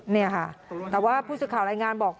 นี่ค่ะแต่ว่าผู้สื่อข่าวรายงานบอก